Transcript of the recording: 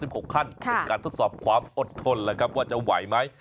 เป็นการทดสอบความอดทนว่าจะไหวไหม